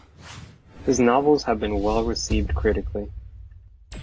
His novels have been well-received critically.